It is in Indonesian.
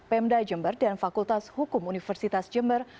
pemda jember dan fakultas hukum universitas jember